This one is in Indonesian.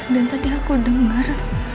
dan tadi aku dengar